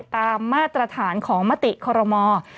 ตามมาตรฐานของมติคอโรมอร์